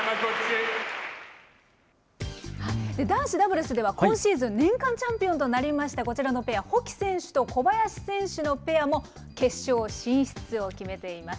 男子ダブルスでは今シーズン、年間チャンピオンとなりましたこちらのペア、保木選手と小林選手のペアも決勝進出を決めています。